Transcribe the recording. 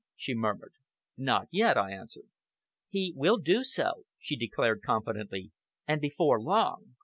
she murmured. "Not yet," I answered. "He will do so," she declared confidently, "and before long.